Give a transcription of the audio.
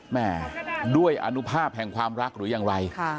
แม่ด้วยอนุภาพแห่งความรักหรือยังไร